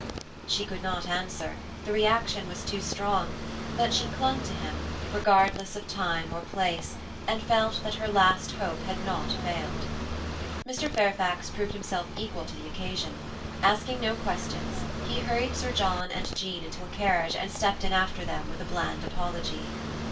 She could not answer, the reaction was too strong, but she clung to him, regardless of time or place, and felt that her last hope had not failed. Mr. Fairfax proved himself equal to the occasion. Asking no questions, he hurried Sir John and Jean into a carriage and stepped in after them with a bland apology.